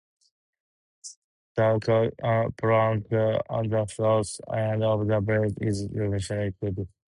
The plaque on the south end of the bridge is testimony to this.